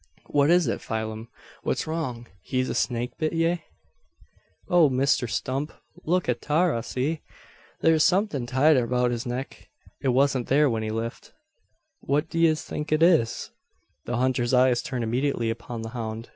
"What is it, Pheelum? What's wrong? Hes a snake bit ye?" "Oh, Misther Stump, luk at Tara! See! thare's somethin' tied about his neck. It wasn't there when he lift. What do yez think it is?" The hunter's eyes turned immediately upon the hound.